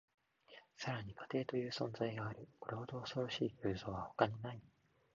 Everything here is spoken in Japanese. さらに、家庭という存在がある。これほど恐ろしい偶像は他にない。